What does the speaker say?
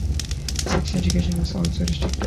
Sex education was also restricted.